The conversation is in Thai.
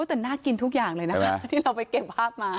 แต่น่ากินทุกอย่างเลยนะคะที่เราไปเก็บภาพมา